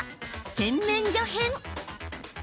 洗面所編。